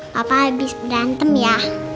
papa abis berantem ya